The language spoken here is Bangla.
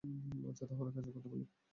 আচ্ছা তাহলে কাজের কথা বলি।